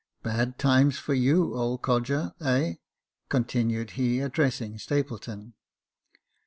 Bad times for you, old codger, heh !" continued he, addressing Stapleton.